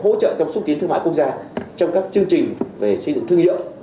hỗ trợ trong xúc tiến thương mại quốc gia trong các chương trình về xây dựng thương hiệu